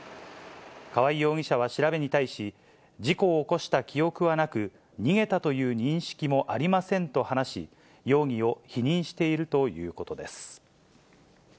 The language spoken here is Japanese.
川合容疑者は調べに対し、事故を起こした記憶はなく、逃げたという認識もありませんと話し、容疑を否認しているということです。